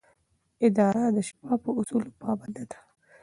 اداره د شفافو اصولو پابنده ده.